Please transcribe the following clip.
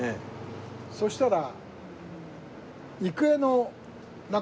そしたら。